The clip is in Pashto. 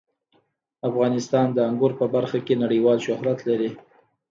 افغانستان د انګور په برخه کې نړیوال شهرت لري.